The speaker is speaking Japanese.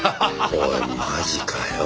おいマジかよ。